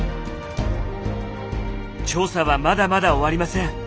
調査はまだまだ終わりません。